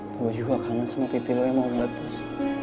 gue juga kangen sama pipi lo yang mau berbatus